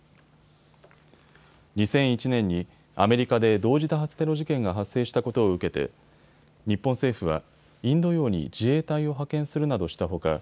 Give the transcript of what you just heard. ２００１年にアメリカで同時多発テロ事件が発生したことを受けて日本政府はインド洋に自衛隊を派遣するなどしたほか